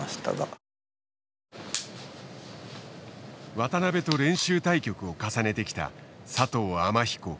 渡辺と練習対局を重ねてきた佐藤天彦九段。